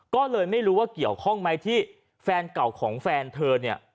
ก็เลยไม่รู้ว่าเกี่ยวข้องไหมที่แฟนเก่าของแฟนเธอเนี่ย